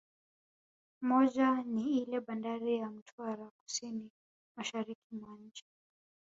Moja ni iile bandari ya Mtwara kusini mashariki mwa nchi